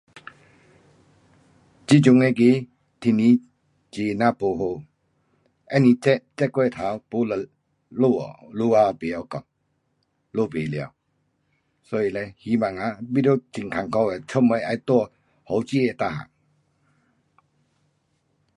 这阵那个天气很哪不好。不是热，热过头，不就下雨，下到不会讲，小不完 um 所以嘞，希望啊，变作很困苦，出门要带雨遮全部。